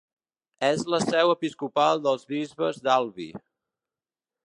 És la seu episcopal dels bisbes d'Albi.